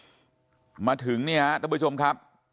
ตรของหอพักที่อยู่ในเหตุการณ์เมื่อวานนี้ตอนค่ำบอกให้ช่วยเรียกตำรวจให้หน่อย